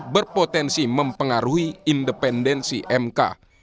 berpotensi mempengaruhi independensi mk